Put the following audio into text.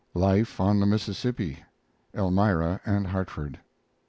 LIFE ON THE MISSISSIPPI (Elmira and Hartford).